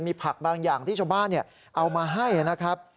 มีผักบางอย่างที่ชาวบ้านเอามาให้นะครับ